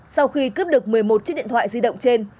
sau khi cướp được một mươi một chiếc điện thoại di động trên